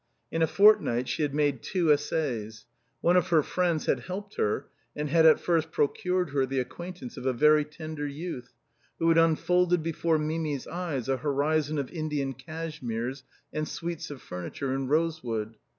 In a fortnight she had made two essays. One of her friends had helped her, and had at first procured her the acquaintance of a very tender youth, who had unfolded before Mimi's eyes a horizon of Indian cashmeres and suites of furniture in rosewood.